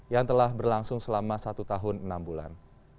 yang telah berlangsung selama satu tahun enam bulan